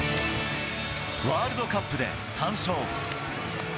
ワールドカップで３勝。